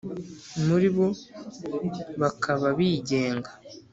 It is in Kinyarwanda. muri bo bakaba bigenga